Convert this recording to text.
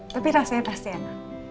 tapi rasanya pasti enak